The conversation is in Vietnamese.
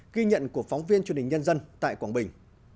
ghi nhận của phóng viên truyền hình nhân dân tại quảng bình